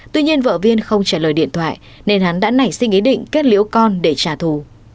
tuy nhiên vợ viên không trả lời điện thoại nên hắn đã nảy sinh ý định kết liễu con để trả thù